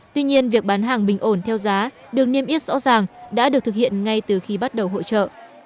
tuy nhiên việc bán hàng bình ổn theo giá được niêm yết rõ ràng đã được thực hiện ngay từ khi bắt đầu hội trợ